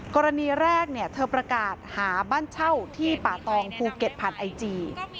กรณีแรกเธอประกาศหาบ้านเช่าที่ป่าตองภูเก็ตผ่านไอจี